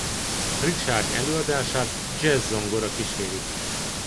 Richard előadását jazz-zongora kíséri.